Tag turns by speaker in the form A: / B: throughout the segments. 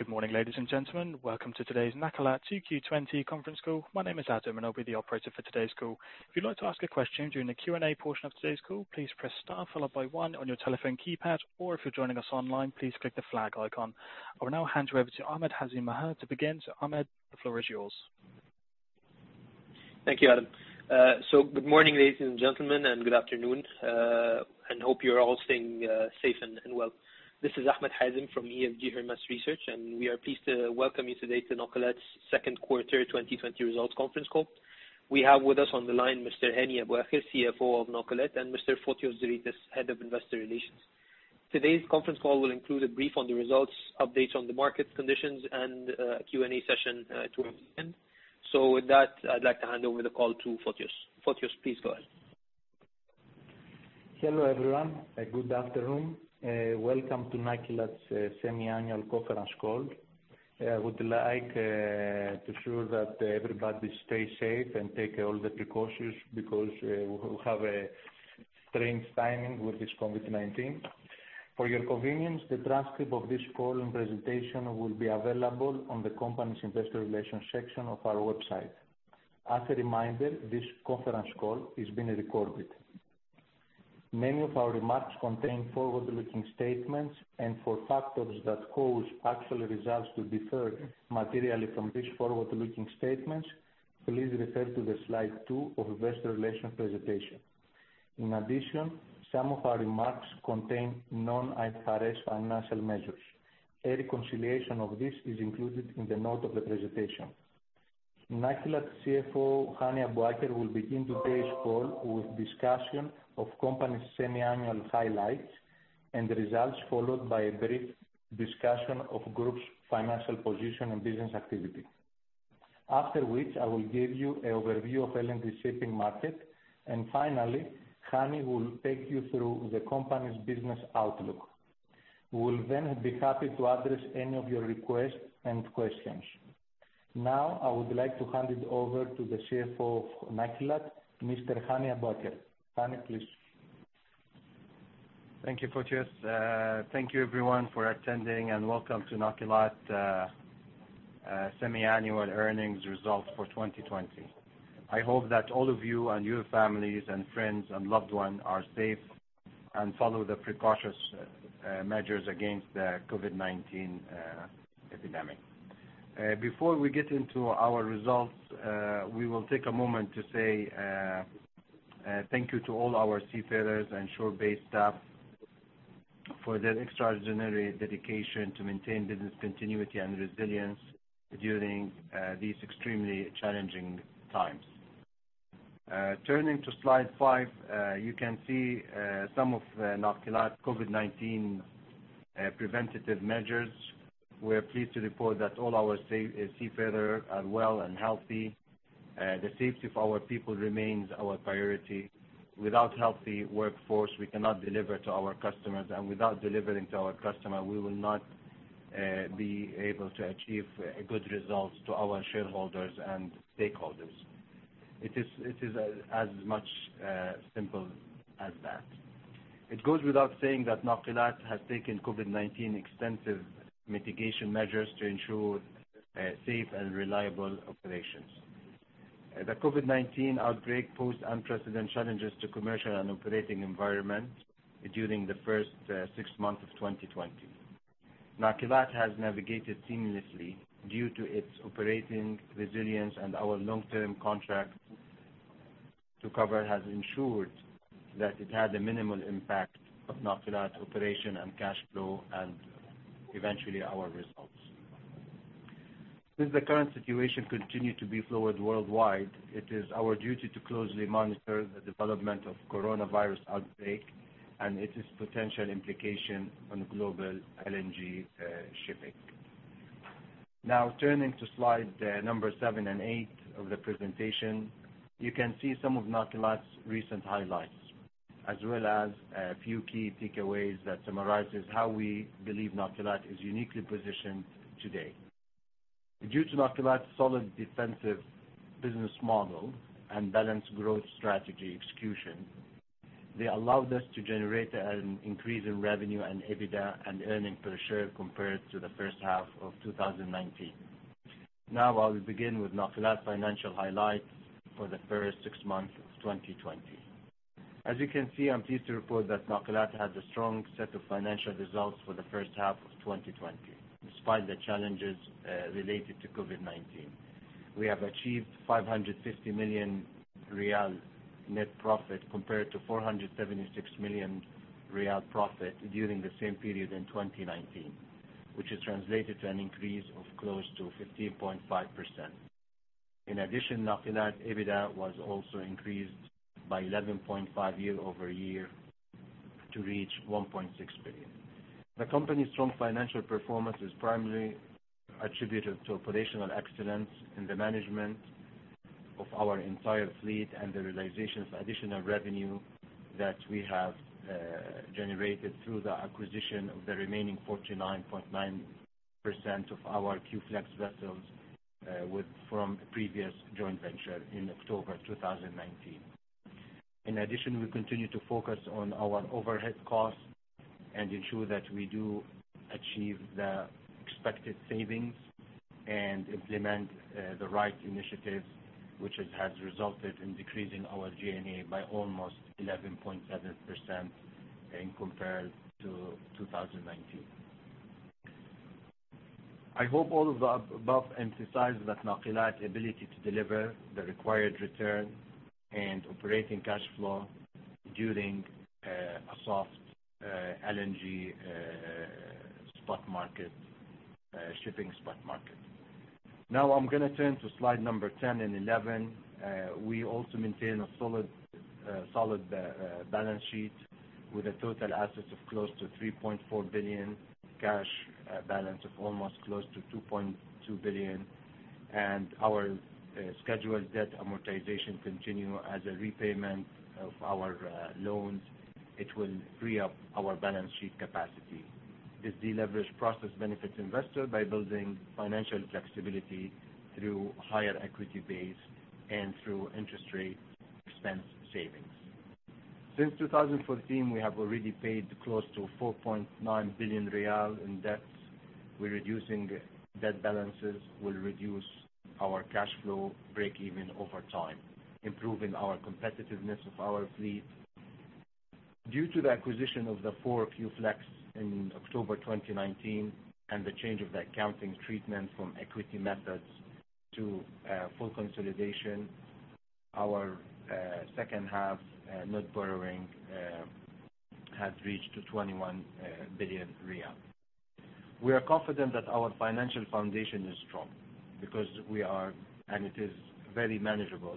A: Good morning, ladies and gentlemen. Welcome to today's Nakilat 2Q20 conference call. My name is Adam, and I'll be the Operator for today's call. If you'd like to ask a question during the Q&A portion of today's call, please press star followed by one on your telephone keypad. Or if you're joining us online, please click the flag icon. I will now hand you over to Ahmed Hazem Maher to begin. Ahmed, the floor is yours.
B: Thank you, Adam. Good morning, ladies and gentlemen, good afternoon, and hope you're all staying safe and well. This is Ahmed Hazem from EFG Hermes Research, and we are pleased to welcome you today to Nakilat's second quarter 2020 results conference call. We have with us on the line Mr. Hani Abuaker, CFO of Nakilat, and Mr. Fotios Zeritis, Head of Investor Relations. Today's conference call will include a brief on the results, updates on the market conditions, and a Q&A session towards the end. With that, I'd like to hand over the call to Fotios. Fotios, please go ahead.
C: Hello, everyone, good afternoon. Welcome to Nakilat's semi-annual conference call. I would like to ensure that everybody stay safe and take all the precautions because we have a strange timing with this COVID-19. For your convenience, the transcript of this call and presentation will be available on the company's investor relations section of our website. As a reminder, this conference call is being recorded. Many of our remarks contain forward-looking statements, and for factors that cause actual results to differ materially from these forward-looking statements, please refer to slide two of investor relation presentation. In addition, some of our remarks contain non-IFRS financial measures. A reconciliation of this is included in the note of the presentation. Nakilat CFO, Hani Abuaker, will begin today's call with discussion of company's semi-annual highlights and results, followed by a brief discussion of groups' financial position and business activity. After which, I will give you an overview of LNG shipping market. Finally, Hani will take you through the company's business outlook. We will then be happy to address any of your requests and questions. Now, I would like to hand it over to the CFO of Nakilat, Mr. Hani Abuaker. Hani, please.
D: Thank you, Fotios. Thank you everyone for attending, and welcome to Nakilat semi-annual earnings results for 2020. I hope that all of you and your families and friends and loved one are safe and follow the precautious measures against the COVID-19 epidemic. Before we get into our results, we will take a moment to say thank you to all our seafarers and shore-based staff for their extraordinary dedication to maintain business continuity and resilience during these extremely challenging times. Turning to slide five, you can see some of Nakilat COVID-19 preventative measures. We are pleased to report that all our seafarers are well and healthy. The safety of our people remains our priority. Without healthy workforce, we cannot deliver to our customers. Without delivering to our customer, we will not be able to achieve good results to our shareholders and stakeholders. It is as much simple as that. It goes without saying that Nakilat has taken COVID-19 extensive mitigation measures to ensure safe and reliable operations. The COVID-19 outbreak posed unprecedented challenges to commercial and operating environment during the first six months of 2020. Nakilat has navigated seamlessly due to its operating resilience and our long-term contract to cover has ensured that it had a minimal impact of Nakilat operation and cash flow, and eventually our results. Since the current situation continue to be fluid worldwide, it is our duty to closely monitor the development of coronavirus outbreak and its potential implication on global LNG shipping. Turning to slide number seven and eight of the presentation, you can see some of Nakilat's recent highlights, as well as a few key takeaways that summarizes how we believe Nakilat is uniquely positioned today. Due to Nakilat's solid defensive business model and balanced growth strategy execution, they allowed us to generate an increase in revenue and EBITDA and earnings per share compared to the first half of 2019. I will begin with Nakilat's financial highlight for the first six months of 2020. As you can see, I'm pleased to report that Nakilat has a strong set of financial results for the first half of 2020, despite the challenges related to COVID-19. We have achieved QAR 550 million net profit compared to QAR 476 million profit during the same period in 2019, which is translated to an increase of close to 15.5%. In addition, Nakilat EBITDA was also increased by 11.5% year-over-year to reach 1.6 billion. The company's strong financial performance is primarily attributed to operational excellence in the management of our entire fleet and the realization of additional revenue that we have generated through the acquisition of the remaining 49.9% of our Q-Flex vessels from previous joint venture in October 2019. In addition, we continue to focus on our overhead costs and ensure that we do achieve the expected savings and implement the right initiatives, which has resulted in decreasing our G&A by almost 11.7% in compared to 2019. I hope all of the above emphasizes Nakilat's ability to deliver the required return and operating cash flow during a soft LNG shipping spot market. I'm going to turn to slide number 10 and 11. We also maintain a solid balance sheet with a total assets of close to 3.4 billion, cash balance of almost close to 2.2 billion, and our scheduled debt amortization continue as a repayment of our loans. It will free up our balance sheet capacity. This deleverage process benefits investors by building financial flexibility through higher equity base and through interest rate expense savings. Since 2014, we have already paid close to QAR 4.9 billion in debt. Reducing debt balances will reduce our cash flow breakeven over time, improving our competitiveness of our fleet. Due to the acquisition of the four Q-Flex in October 2019 and the change of the accounting treatment from equity methods to full consolidation, our second half net borrowing has reached to 21 billion riyal. We are confident that our financial foundation is strong and it is very manageable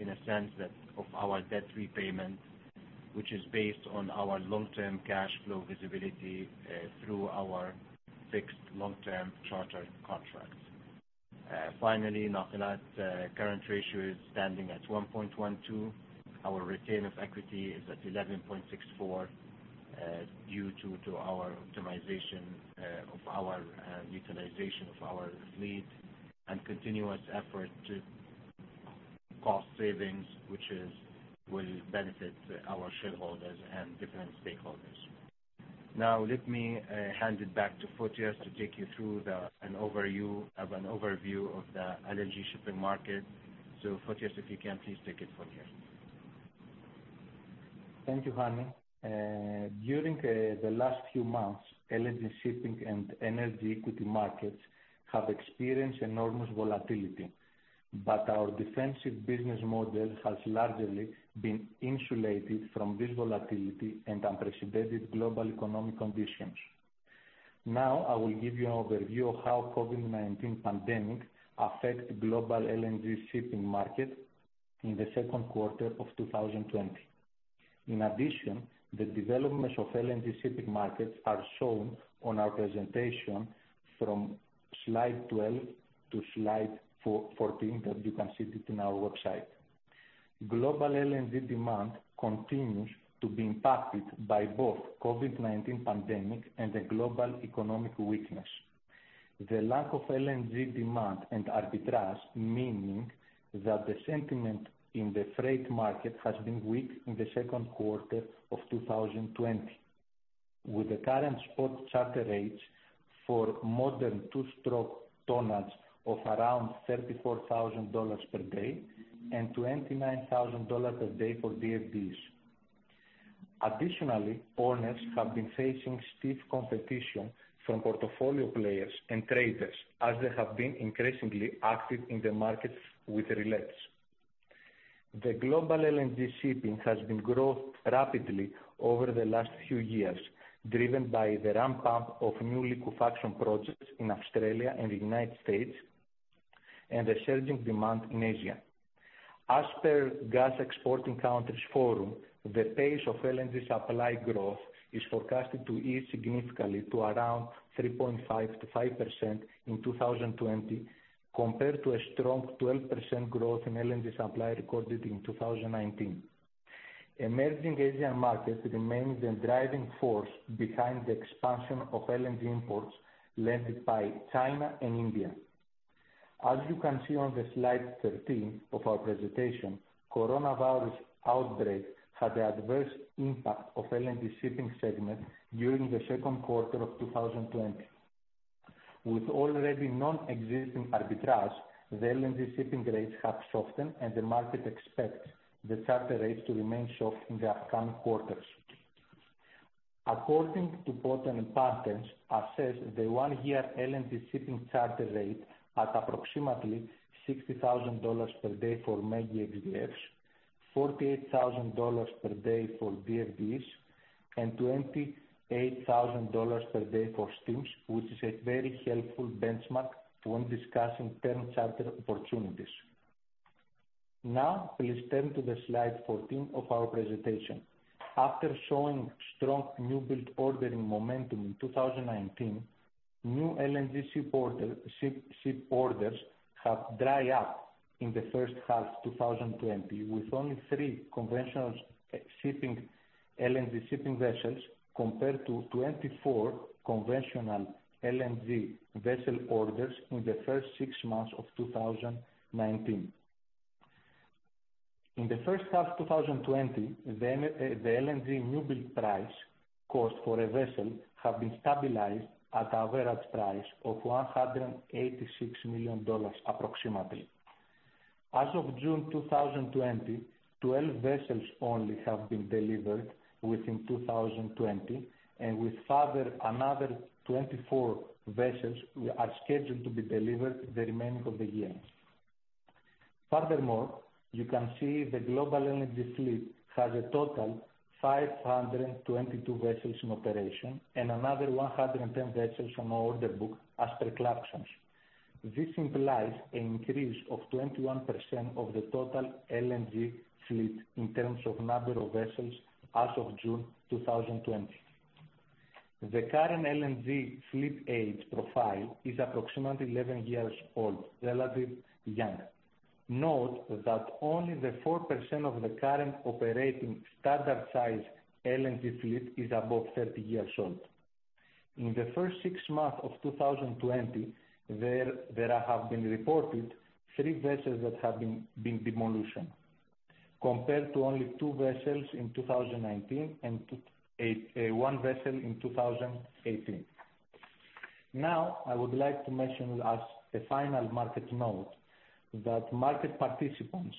D: in a sense that of our debt repayment, which is based on our long-term cash flow visibility, through our fixed long-term charter contracts. Finally, Nakilat current ratio is standing at 1.12. Our return of equity is at 11.64 due to our optimization of our utilization of our fleet and continuous effort to cost savings, which will benefit our shareholders and different stakeholders. Now, let me hand it back to Fotios to take you through an overview of the LNG shipping market. Fotios, if you can please take it Fotios.
C: Thank you, Hani. During the last few months, LNG shipping and energy equity markets have experienced enormous volatility, but our defensive business model has largely been insulated from this volatility and unprecedented global economic conditions. Now, I will give you an overview of how COVID-19 pandemic affect global LNG shipping market in the second quarter of 2020. In addition, the developments of LNG shipping markets are shown on our presentation from slide 12 to slide 14 that you can see it in our website. Global LNG demand continues to be impacted by both COVID-19 pandemic and the global economic weakness. The lack of LNG demand and arbitrage, meaning that the sentiment in the freight market has been weak in the second quarter of 2020. With the current spot charter rates for modern two-stroke tonnage of around $34,000 per day and $29,000 per day for VFDs. Additionally, owners have been facing stiff competition from portfolio players and traders as they have been increasingly active in the markets with relets. The global LNG shipping has been growth rapidly over the last few years, driven by the ramp-up of new liquefaction projects in Australia and the United States and the surging demand in Asia. As per Gas Exporting Countries Forum, the pace of LNG supply growth is forecasted to ease significantly to around 3.5%-5% in 2020, compared to a strong 12% growth in LNG supply recorded in 2019. Emerging Asian markets remains the driving force behind the expansion of LNG imports led by China and India. As you can see on the slide 13 of our presentation, coronavirus outbreak had the adverse impact of LNG shipping segment during the second quarter of 2020. With already non-existing arbitrage, the LNG shipping rates have softened, and the market expects the charter rates to remain soft in the upcoming quarters. According to Poten & Partners assess the one-year LNG shipping charter rate at approximately $60,000 per day for mega DFDE, $48,000 per day for VFDs, and $28,000 per day for steams, which is a very helpful benchmark when discussing term charter opportunities. Now, please turn to the slide 14 of our presentation. After showing strong newbuild ordering momentum in 2019, new LNG ship orders have dry up in the first half 2020 with only three conventional LNG shipping vessels compared to 24 conventional LNG vessel orders in the first six months of 2019. In the first half 2020, the LNG newbuild price cost for a vessel have been stabilized at average price of $186 million approximately. As of June 2020, 12 vessels only have been delivered within 2020, and with another 24 vessels are scheduled to be delivered the remaining of the year. Furthermore, you can see the Global Energy fleet has a total 522 vessels in operation and another 110 vessels on our order book as per Clarksons. This implies an increase of 21% of the total LNG fleet in terms of number of vessels as of June 2020. The current LNG fleet age profile is approximately 11 years old, relative young. Note that only the 4% of the current operating standard size LNG fleet is above 30 years old. In the first six months of 2020, there have been reported three vessels that have been demolition, compared to only two vessels in 2019 and one vessel in 2018. Now, I would like to mention as a final market note that market participants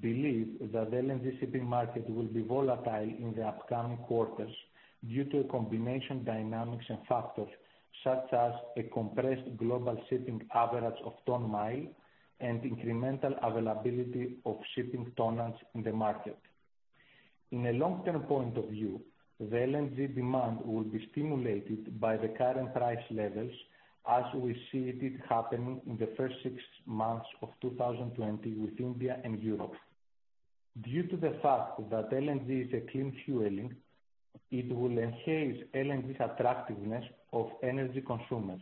C: believe that the LNG shipping market will be volatile in the upcoming quarters due to a combination dynamics and factors, such as a compressed global shipping average of ton-mile and incremental availability of shipping tonnage in the market. In a long-term point of view, the LNG demand will be stimulated by the current price levels as we see it happening in the first six months of 2020 with India and Europe. Due to the fact that LNG is a clean fueling, it will enhance LNG's attractiveness of energy consumers.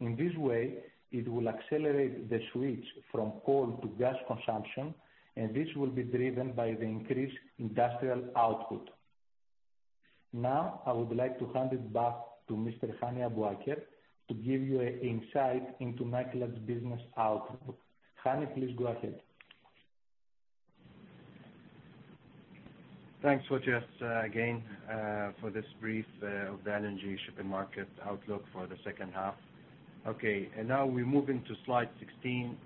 C: In this way, it will accelerate the switch from coal to gas consumption, and this will be driven by the increased industrial output. Now, I would like to hand it back to Mr. Hani Abuaker to give you an insight into Nakilat's business outlook. Hani, please go ahead.
D: Thanks, Fotios, again, for this brief of the LNG shipping market outlook for the second half. Now we're moving to slide 16.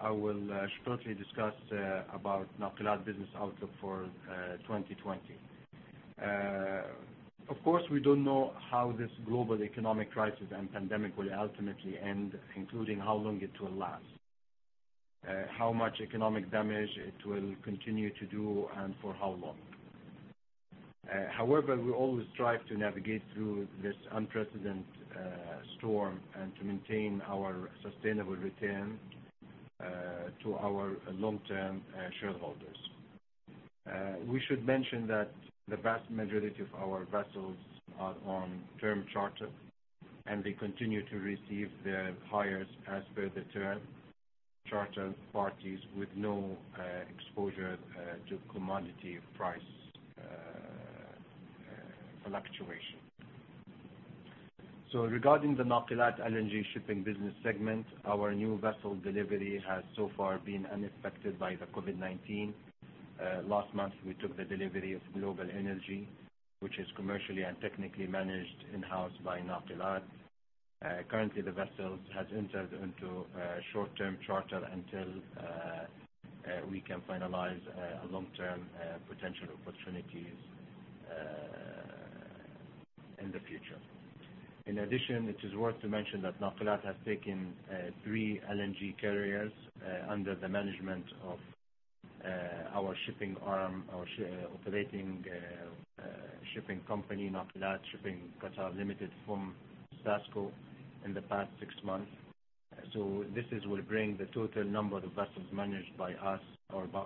D: I will shortly discuss about Nakilat business outlook for 2020. Of course, we don't know how this global economic crisis and pandemic will ultimately end, including how long it will last, how much economic damage it will continue to do and for how long. However, we always strive to navigate through this unprecedented storm and to maintain our sustainable return to our long-term shareholders. We should mention that the vast majority of our vessels are on term charter, and they continue to receive their hires as per the term charter parties with no exposure to commodity price fluctuation. Regarding the Nakilat LNG shipping business segment, our new vessel delivery has so far been unaffected by the COVID-19. Last month, we took the delivery of Global Energy, which is commercially and technically managed in-house by Nakilat. Currently, the vessels has entered into a short-term charter until we can finalize a long-term potential opportunities in the future. In addition, it is worth to mention that Nakilat has taken three LNG carriers under the management of our shipping arm, our operating shipping company, Nakilat Shipping Qatar Limited from QASCO in the past six months. This will bring the total number of vessels managed by us or by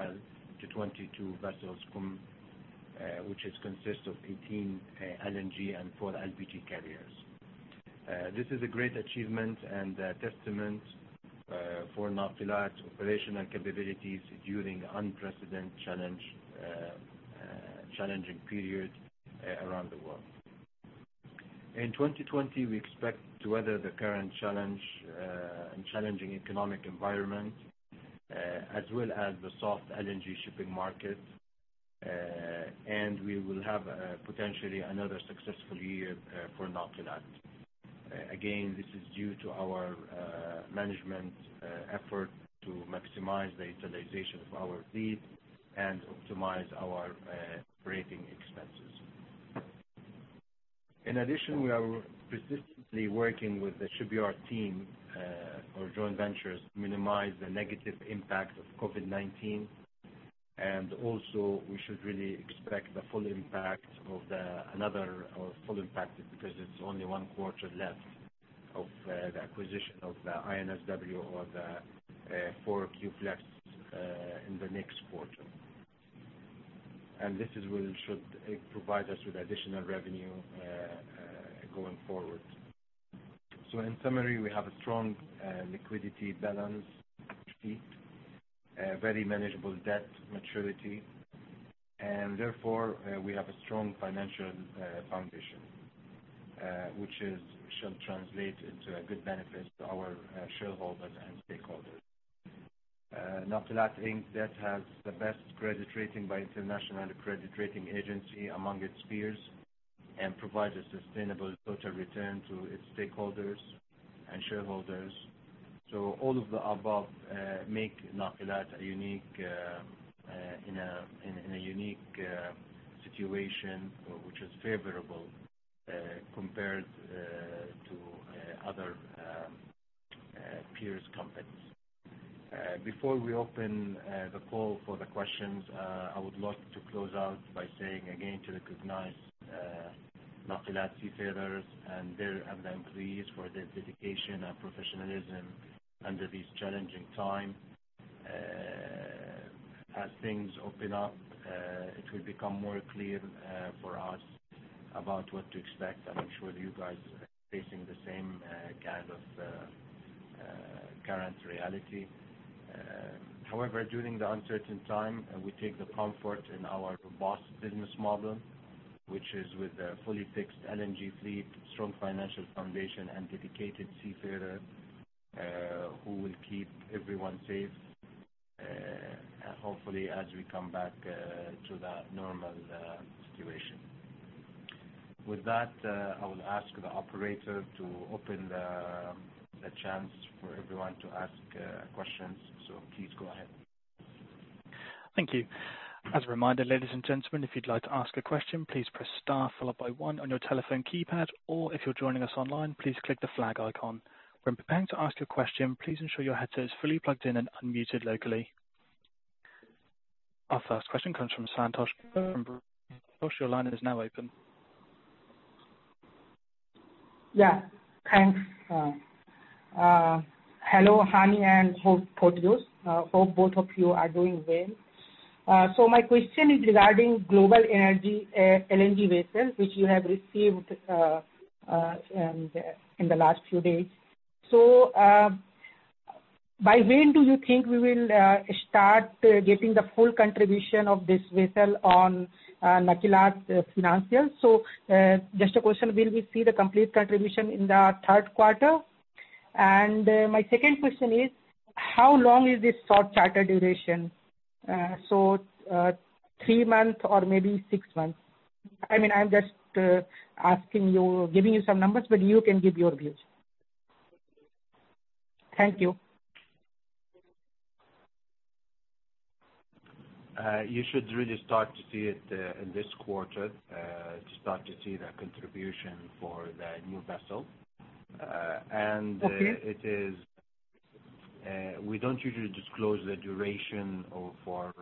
D: to 22 vessels which is consist of 18 LNG and four LPG carriers. This is a great achievement and a testament for Nakilat operational capabilities during unprecedented challenging period around the world. In 2020, we expect to weather the current challenging economic environment as well as the soft LNG shipping market, we will have potentially another successful year for Nakilat. Again, this is due to our management effort to maximize the utilization of our fleet and optimize our operating expenses. In addition, we are persistently working with the shipyard team, our joint ventures, to minimize the negative impact of COVID-19. Also we should really expect the full impact because it's only one quarter left of the acquisition of the INSW or the four Q-Flex in the next quarter. This should provide us with additional revenue going forward. In summary, we have a strong liquidity balance sheet, very manageable debt maturity, we have a strong financial foundation. Which shall translate into a good benefit to our shareholders and stakeholders. Nakilat Inc. has the best credit rating by International Credit Rating Agency among its peers and provides a sustainable total return to its stakeholders and shareholders. All of the above make Nakilat in a unique situation, which is favorable compared to other peer companies. Before we open the call for the questions, I would like to close out by saying again to recognize Nakilat seafarers and their employees for their dedication and professionalism under these challenging times. As things open up, it will become more clear for us about what to expect. I'm sure you guys are facing the same kind of current reality. However, during the uncertain time, we take comfort in our robust business model, which is with a fully fixed LNG fleet, strong financial foundation, and dedicated seafarers who will keep everyone safe, hopefully as we come back to the normal situation. With that, I will ask the Operator to open the chance for everyone to ask questions. Please go ahead.
A: Thank you. As a reminder, ladies and gentlemen, if you'd like to ask a question, please press star followed by one on your telephone keypad, or if you're joining us online, please click the flag icon. When preparing to ask a question, please ensure your headset is fully plugged in and unmuted locally. Our first question comes from Santosh from Bloomberg. Santosh, your line is now open.
E: Yeah. Thanks. Hello, Hani and Porteous. Hope both of you are doing well. My question is regarding Global Energy LNG vessels, which you have received in the last few days. By when do you think we will start getting the full contribution of this vessel on Nakilat financials? Just a question, will we see the complete contribution in the third quarter? My second question is, how long is this short charter duration? Three months or maybe six months? I'm just giving you some numbers, but you can give your views. Thank you.
D: You should really start to see it in this quarter, to start to see the contribution for the new vessel.
E: Okay.
D: We don't usually disclose the duration for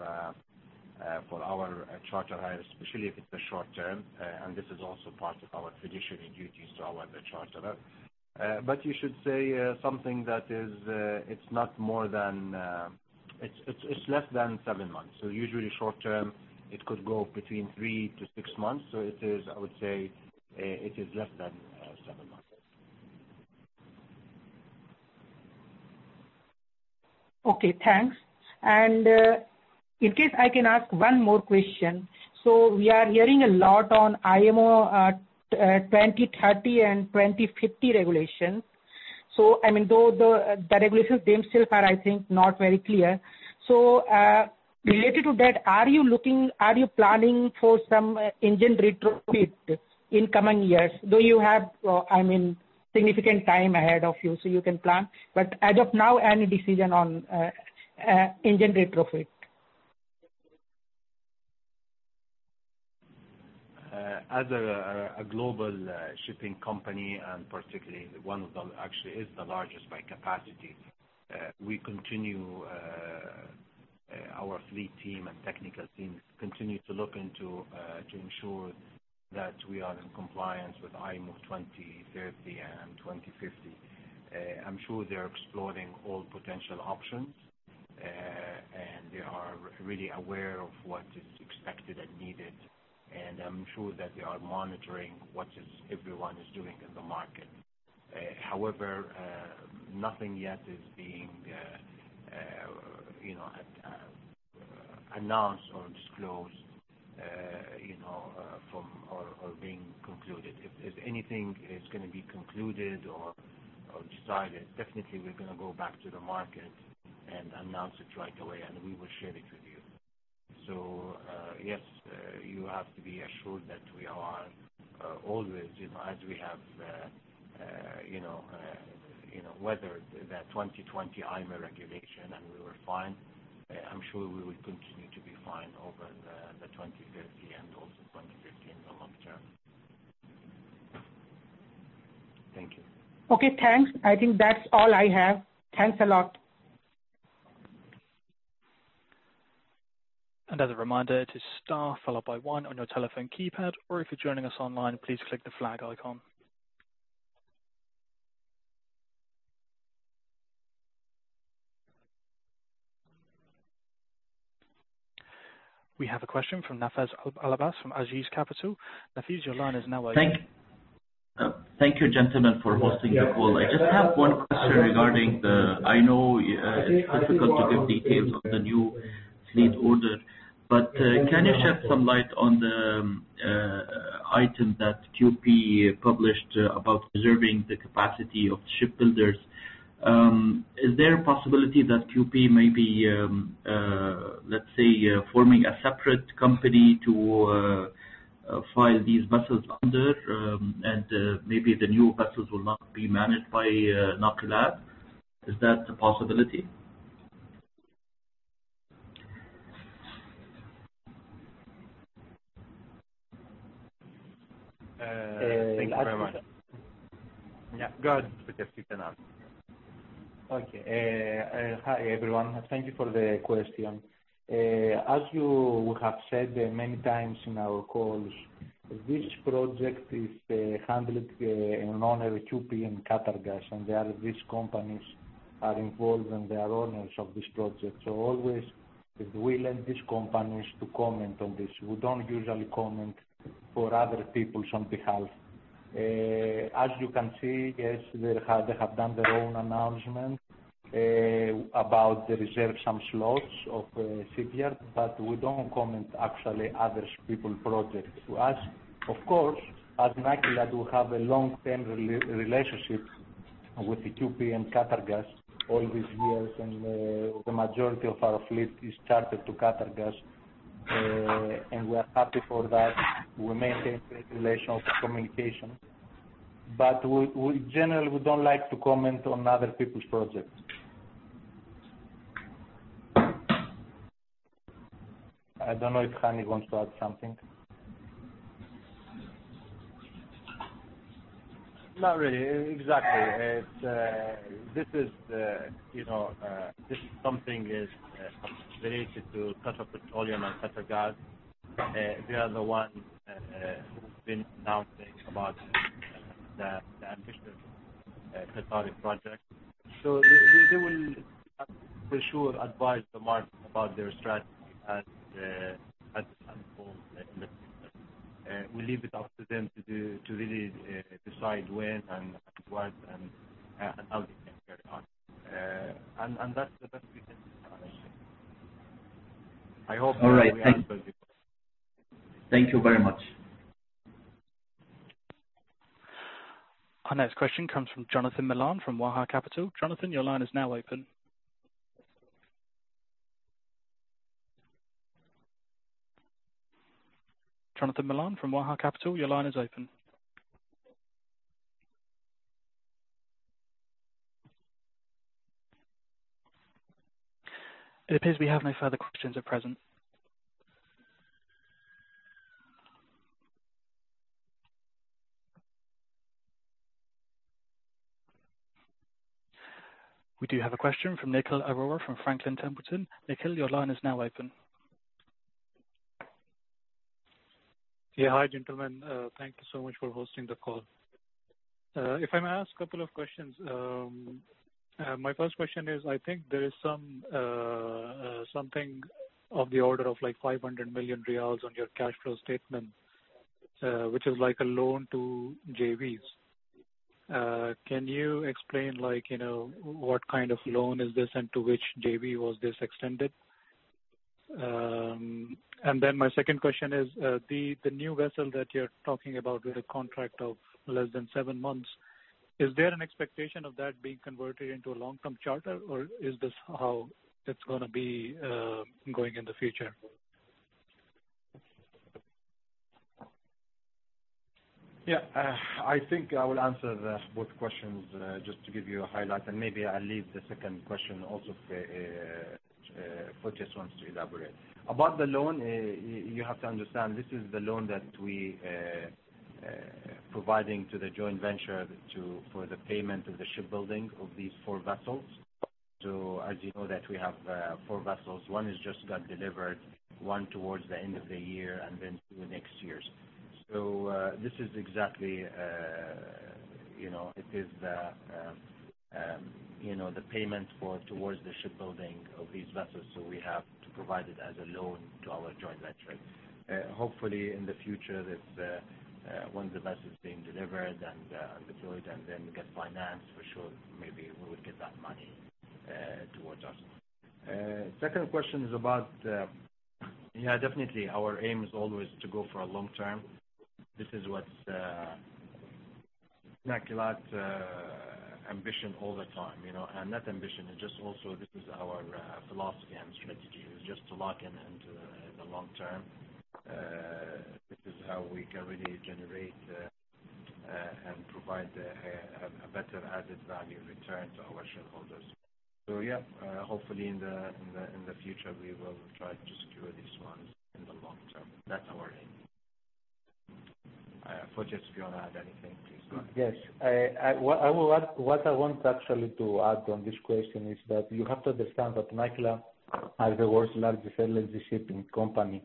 D: our charter hire, especially if it's short-term. This is also part of our fiduciary duty to our charterer. You should say something that it's less than seven months. Usually short-term, it could go between three to six months. It is, I would say, less than seven months.
E: Okay, thanks. In case I can ask one more question. We are hearing a lot on IMO 2030 and 2050 regulations. Though the regulations themselves are, I think, not very clear. Related to that, are you planning for some engine retrofit in coming years? Do you have significant time ahead of you so you can plan? As of now, any decision on engine retrofit?
D: As a global shipping company, particularly one of the largest by capacity, our fleet team and technical teams continue to look into to ensure that we are in compliance with IMO 2030 and 2050. I'm sure they're exploring all potential options. They are really aware of what is expected and needed. I'm sure that they are monitoring what everyone is doing in the market. However, nothing yet is being announced or disclosed, or being concluded. If anything is going to be concluded or decided, definitely we're going to go back to the market and announce it right away, and we will share it with you. Yes, you have to be assured that we are always, as we have weathered the 2020 IMO regulation, we were fine. I'm sure we will continue to be fine over the 2030 and also 2050 in the long term. Thank you.
E: Okay, thanks. I think that's all I have. Thanks a lot.
A: As a reminder, it is star followed by one on your telephone keypad, or if you're joining us online, please click the flag icon. We have a question from Nafez Alabbas from Ajeej Capital. Nafez, your line is now open.
F: Thank you, gentlemen, for hosting the call. I just have one question regarding I know it's difficult to give details on the new fleet order, but can you shed some light on the item that QP published about preserving the capacity of shipbuilders. Is there a possibility that QP may be, let's say, forming a separate company to file these vessels under, and maybe the new vessels will not be managed by Nakilat? Is that a possibility?
D: Thank you very much.
C: Thank you, sir.
D: Yeah, go ahead, Fotis. You can answer.
C: Okay. Hi, everyone. Thank you for the question. As you have said many times in our calls, this project is handled and owned by QP and Qatargas. These companies are involved, and they are owners of this project. Always, we let these companies comment on this. We don't usually comment for other people on their behalf. As you can see, yes, they have made their own announcement about reserving some slots of shipyards. We don't comment on other people's projects. Of course, at Nakilat, we have had a long-term relationship with QP and Qatargas all these years. The majority of our fleet is chartered to Qatargas. We are happy for that. We maintain great relations and communication. Generally, we don't like to comment on other people's projects. I don't know if Hani wants to add something.
D: Not really. Exactly. This is something related to Qatar Petroleum and Qatargas. They are the ones who have been announcing the ambitious Qatari project. They will, for sure, advise the market about their strategy as time goes on. We leave it up to them to really decide when and what and how they can carry on. That's the best we can say. I hope we answered your question.
F: All right. Thank you. Thank you very much.
A: Our next question comes from Jonathan Milan from Waha Capital. Jonathan, your line is now open. Jonathan Milan from Waha Capital, your line is open. It appears we have no further questions at present. We do have a question from Nikhil Arora from Franklin Templeton. Nikhil, your line is now open.
G: Yeah. Hi, gentlemen. Thank you so much for hosting the call. If I may ask a couple of questions. My first question is, I think there is something of the order of 500 million riyals on your cash flow statement, which is like a loan to JVs. Can you explain what kind of loan this is and to which JV it was extended? My second question is, the new vessel that you're talking about with a contract of less than seven months, is there an expectation of that being converted into a long-term charter, or is this how it's going to be going in the future?
D: Yeah. I think I will answer both questions just to give you a highlight, and maybe I'll leave the second question also for Fotios to elaborate. About the loan, you have to understand, this is the loan that we are providing to the joint venture for the payment of the shipbuilding of these four vessels. As you know, we have four vessels. One has just got delivered, one towards the end of the year, two next year. This is exactly the payment towards the shipbuilding of these vessels, so we have to provide it as a loan to our joint venture. Hopefully, in the future, once the vessel is being delivered and deployed, we get financed, for sure, maybe we would get that money towards us. Yeah, definitely, our aim is always to go for a long term. This is Nakilat’s ambition all the time. Not ambition, also this is our philosophy and strategy, is just to lock in into the long term. This is how we can really generate and provide a better added value return to our shareholders. Yeah, hopefully in the future, we will try to secure these ones in the long term. That's our aim. Fotios, if you want to add anything, please go on.
C: Yes. What I want actually to add on this question is that you have to understand that Nakilat, as the world's largest LNG shipping company,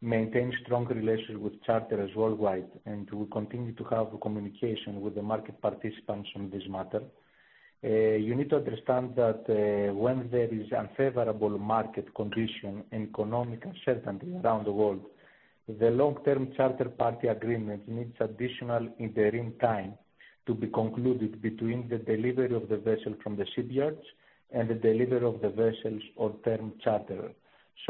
C: maintains strong relations with charterers worldwide, and we continue to have communication with the market participants on this matter. You need to understand that when there is unfavorable market conditions and economic uncertainty around the world, the long-term charter party agreement needs additional interim time to be concluded between the delivery of the vessel from the shipyards and the delivery of the vessels on term charter.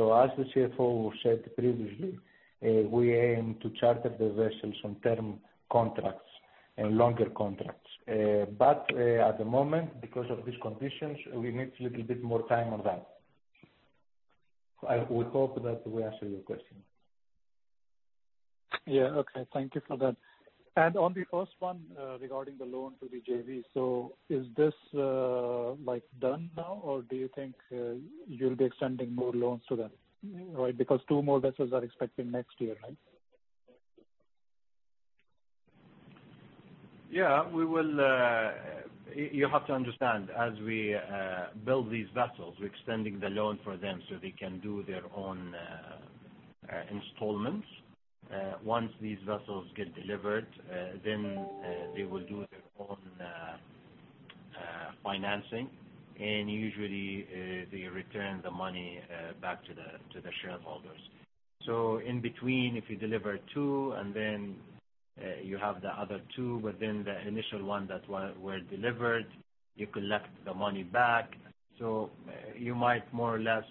C: As the CFO said previously, we aim to charter the vessels on term contracts and longer contracts. At the moment, because of these conditions, we need little bit more time on that. We hope that we answered your question.
G: Yeah. Okay. Thank you for that. On the first one, regarding the loan to the JV, so is this done now, or do you think you'll be extending more loans to them? Because two more vessels are expected next year, right?
D: Yeah. You have to understand, as we build these vessels, we're extending the loan for them so they can do their own installments. Once these vessels get delivered, then they will do their own financing, and usually, they return the money back to the shareholders. In between, if you deliver two and then you have the other two within the initial one that were delivered, you collect the money back. You might more or less,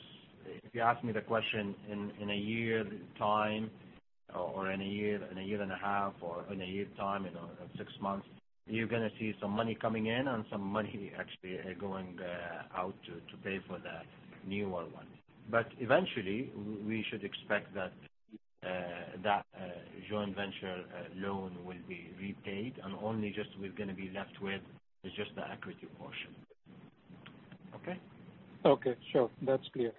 D: if you ask me the question in a year's time or in a year and a half or in a year's time, six months, you're going to see some money coming in and some money actually going out to pay for the newer one. Eventually, we should expect that joint venture loan will be repaid and only just we're going to be left with just the equity portion. Okay?
G: Okay, sure. That's clear.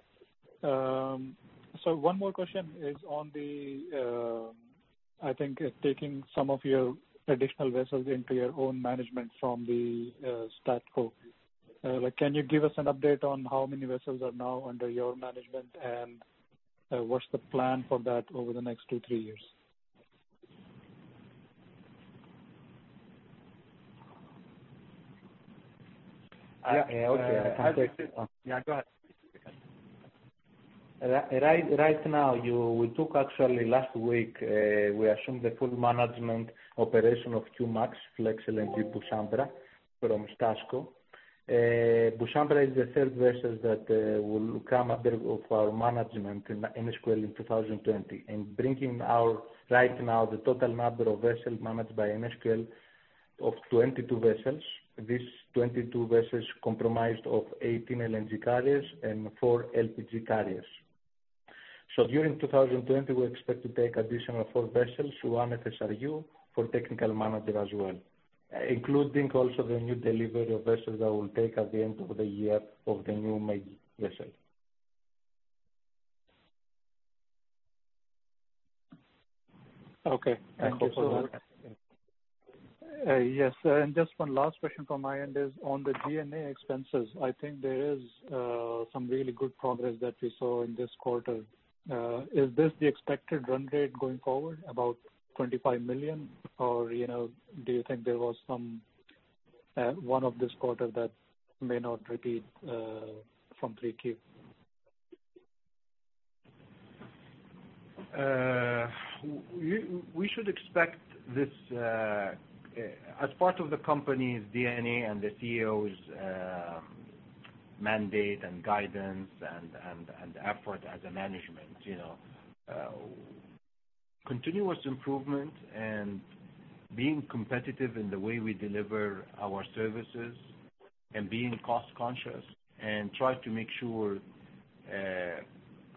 G: One more question is on the, I think taking some of your additional vessels into your own management from the STASCo. Can you give us an update on how many vessels are now under your management, and what's the plan for that over the next two, three years?
C: Yeah. Okay. I can take this one.
D: Yeah, go ahead.
C: Right now, we took actually last week, we assumed the full management operation of Q-Max flexible LNG Bu Samra from STASCo. Bu Samra is the third vessel that will come under of our management in NSQL in 2020 and bringing our, right now, the total number of vessels managed by NSQL of 22 vessels. These 22 vessels comprised of 18 LNG carriers and four LPG carriers. During 2020, we expect to take additional four vessels, one FSRU for technical manager as well, including also the new delivery of vessels that will take at the end of the year of the new major vessel.
G: Okay. Thank you so much.
D: Also.
G: Yes, just one last question from my end is on the G&A expenses. I think there is some really good progress that we saw in this quarter. Is this the expected run rate going forward about 25 million, or do you think there was one of this quarter that may not repeat from 3Q?
D: We should expect this as part of the company's G&A and the CEO's mandate and guidance and effort as a management. Continuous improvement and being competitive in the way we deliver our services and being cost-conscious and try to make sure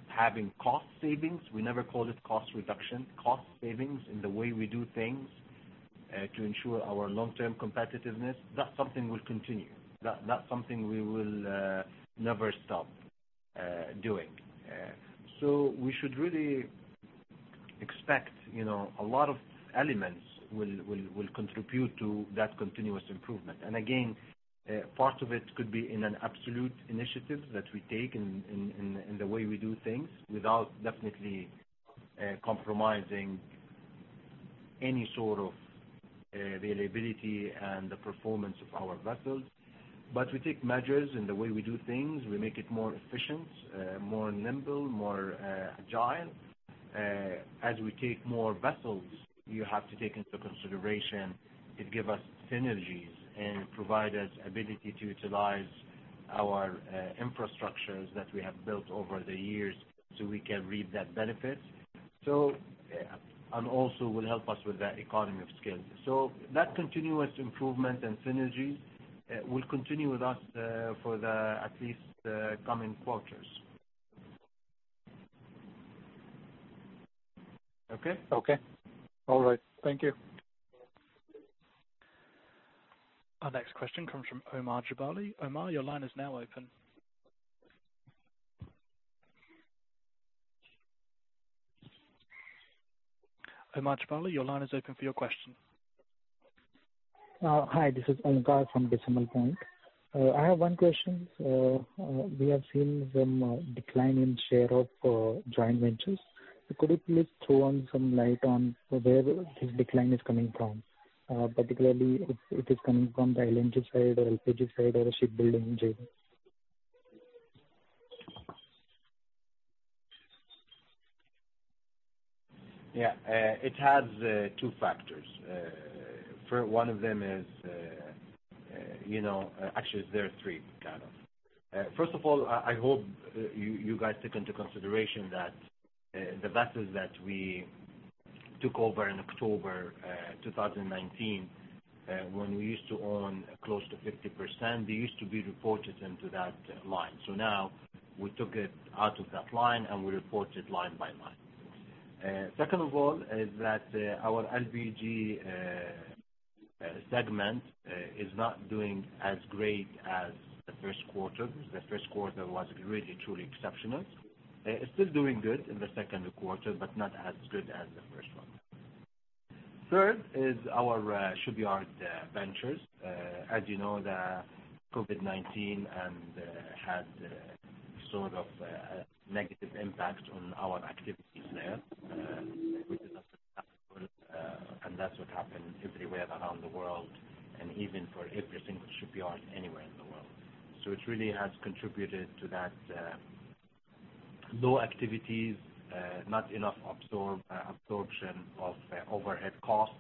D: having cost savings, we never call it cost reduction, cost savings in the way we do things to ensure our long-term competitiveness. That's something we'll continue. That's something we will never stop doing. We should really expect a lot of elements will contribute to that continuous improvement. Again, part of it could be in an absolute initiative that we take in the way we do things without definitely compromising any sort of availability and the performance of our vessels. We take measures in the way we do things. We make it more efficient, more nimble, more agile. As we take more vessels, you have to take into consideration it give us synergies and provide us ability to utilize our infrastructures that we have built over the years so we can reap that benefit. Also will help us with the economy of scale. That continuous improvement and synergies will continue with us for the at least coming quarters. Okay?
G: Okay. All right. Thank you.
A: Our next question comes from Omar Jabali. Omar, your line is now open. Omar Jabali, your line is open for your question.
H: Hi, this is Omar from Decimal Point. I have one question. We have seen some decline in share of joint ventures. Could you please throw on some light on where this decline is coming from? Particularly, if it is coming from the LNG side or LPG side or the shipbuilding JV.
D: Yeah. It has two factors. One of them is Actually, there are three. First of all, I hope you guys took into consideration that the vessels that we took over in October 2019, when we used to own close to 50%, they used to be reported into that line. Now we took it out of that line and we report it line by line. Second of all, is that our LPG segment is not doing as great as the first quarter. The first quarter was really, truly exceptional. It's still doing good in the second quarter, but not as good as the first one. Third is our shipyard ventures. As you know, the COVID-19 had sort of a negative impact on our activities there, which is understandable, and that's what happened everywhere around the world and even for every single shipyard anywhere in the world. It really has contributed to that low activities, not enough absorption of overhead costs.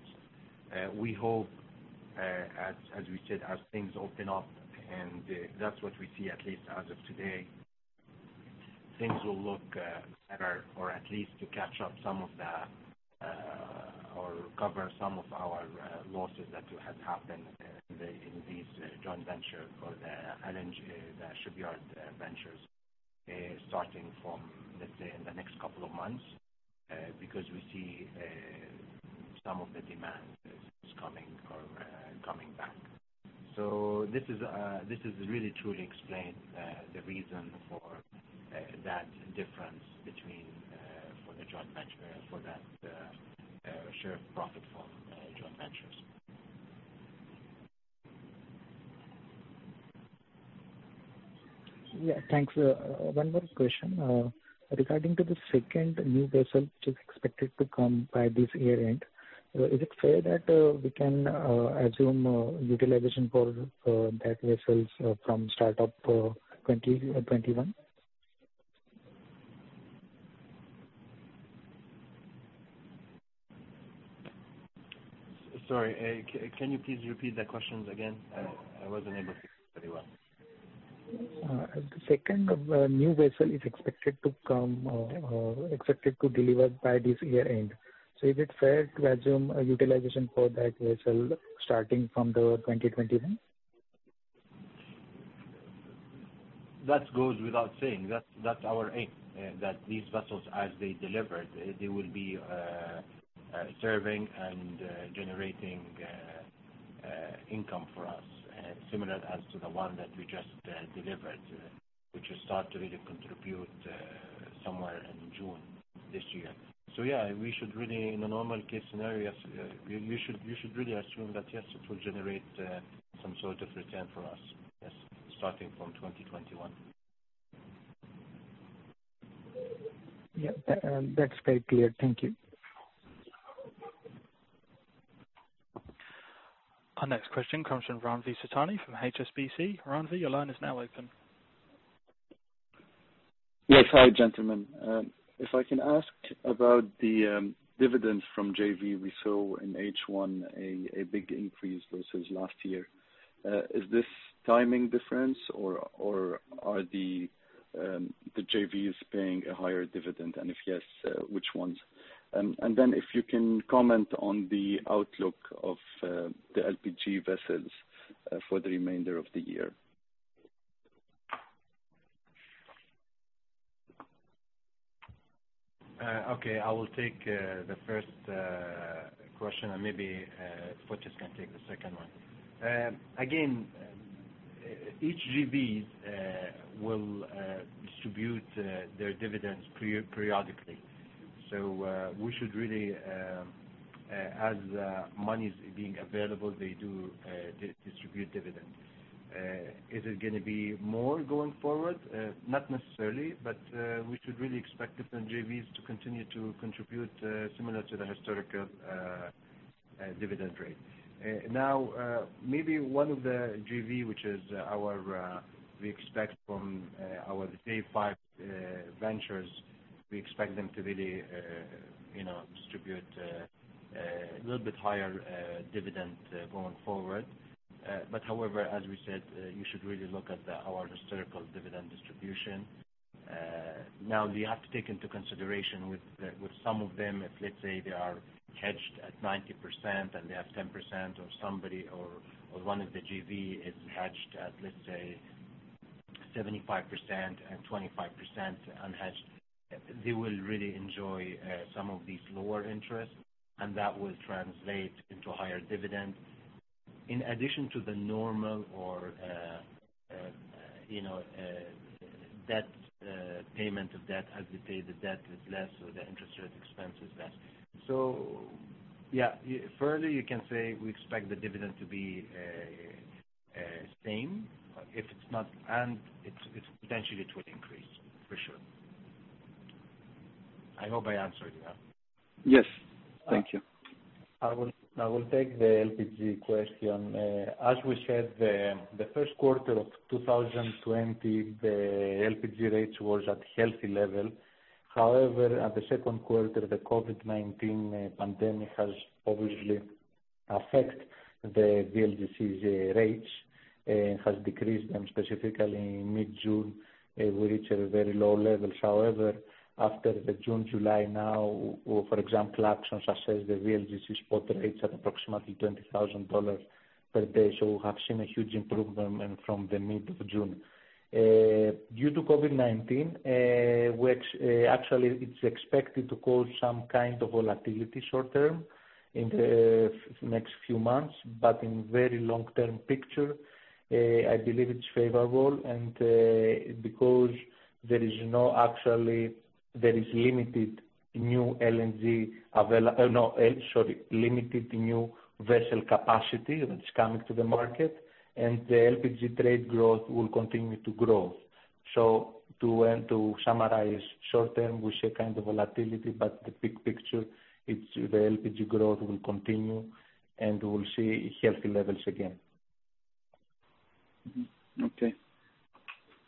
D: We hope, as we said, as things open up, and that's what we see, at least as of today, things will look better or at least to catch up some of that or recover some of our losses that had happened in these joint venture or the shipyard ventures, starting from, let's say, in the next couple of months, because we see some of the demand is coming back. This really, truly explain the reason for that difference for that share of profit from joint ventures.
H: Yeah. Thanks. One more question. Regarding to the second new vessel, which is expected to come by this year-end, is it fair that we can assume utilization for that vessels from start of 2021?
D: Sorry. Can you please repeat that question again? I wasn't able to hear very well.
H: The second of the new vessel is expected to come or expected to deliver by this year-end. Is it fair to assume utilization for that vessel starting from the 2021?
D: That goes without saying. That's our aim, that these vessels, as they delivered, they will be serving and generating income for us similar as to the one that we just delivered, which will start to really contribute somewhere in June this year. Yeah, we should really, in a normal case scenario, you should really assume that, yes, it will generate some sort of return for us. Yes. Starting from 2021.
H: Yeah. That's very clear. Thank you.
A: Our next question comes from Ranvi Sitani from HSBC. Ranvi, your line is now open.
I: Yes. Hi, gentlemen. If I can ask about the dividends from JV, we saw in H1 a big increase versus last year. Is this timing difference or are the JVs paying a higher dividend? If yes, which ones? If you can comment on the outlook of the LPG vessels for the remainder of the year.
D: Okay. I will take the first question and maybe Fotios can take the second one. Again, each JVs will distribute their dividends periodically. We should really, as money is being available, they do distribute dividends. Is it going to be more going forward? Not necessarily, but we should really expect different JVs to continue to contribute similar to the historical dividend rate. Maybe one of the JV, We expect from our day five ventures, we expect them to really distribute a little bit higher dividend going forward. However, as we said, you should really look at our historical dividend distribution. You have to take into consideration with some of them, if let's say they are hedged at 90% and they have 10% or somebody or one of the JV is hedged at, let's say, 75% and 25% unhedged, they will really enjoy some of these lower interests, and that will translate into higher dividends. In addition to the normal or debt payment of debt as we pay the debt with less or the interest rate expense is less. Yeah, further you can say we expect the dividend to be same. If it's not, and potentially it will increase. For sure. I hope I answered you.
I: Yes. Thank you.
D: I will take the LPG question. As we said, the first quarter of 2020, the LPG rates was at healthy level
C: At the second quarter, the COVID-19 pandemic has obviously affected the VLGC rates, and has decreased them specifically mid-June. We reached a very low level. After June, July now, for example, Fearnleys assess the VLGC spot rates at approximately $20,000 per day. We have seen a huge improvement from mid-June. Due to COVID-19, which actually, it's expected to cause some kind of volatility short-term in the next few months, but in very long-term picture, I believe it's favorable. Because there is limited new vessel capacity that's coming to the market, and the LPG trade growth will continue to grow. To summarize, short-term, we see kind of volatility, but the big picture, it's the LPG growth will continue, and we'll see healthy levels again.
I: Okay.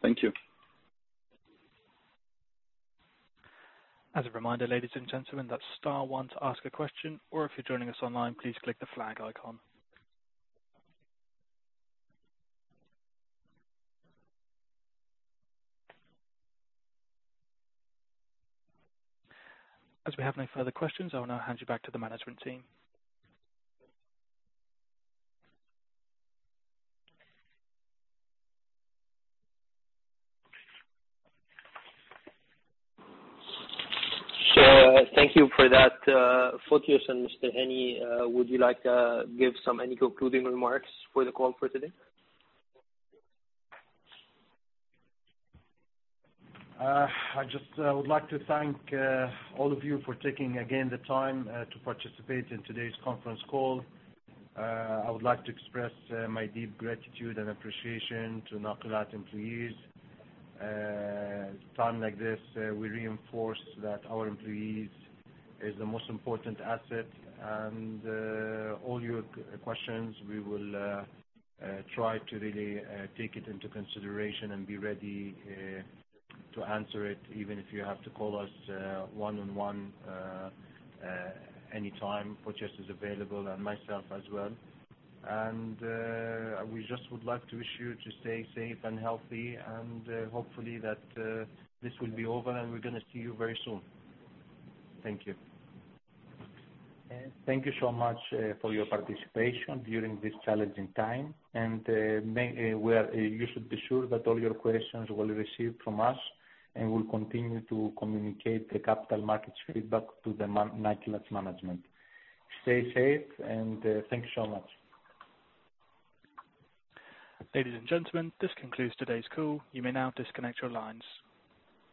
I: Thank you.
A: As a reminder, ladies and gentlemen, that's star 1 to ask a question, or if you're joining us online, please click the flag icon. As we have no further questions, I will now hand you back to the management team.
B: Thank you for that, Fotios and Mr. Hani. Would you like to give some concluding remarks for the call for today?
D: I just would like to thank all of you for taking, again, the time to participate in today's conference call. I would like to express my deep gratitude and appreciation to Nakilat employees. Time like this, we reinforce that our employees is the most important asset. All your questions, we will try to really take it into consideration and be ready to answer it, even if you have to call us one on one, anytime. Fotios is available, and myself as well. We just would like to wish you to stay safe and healthy, and hopefully that this will be over and we're going to see you very soon. Thank you.
C: Thank you so much for your participation during this challenging time. You should be sure that all your questions will be received from us, and we'll continue to communicate the capital markets feedback to the Nakilat management. Stay safe, thank you so much.
A: Ladies and gentlemen, this concludes today's call. You may now disconnect your lines.